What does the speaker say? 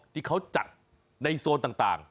ที่เขาจัดในโซนต่าง